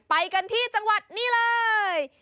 ไปกันที่จังหวัดนี่เลย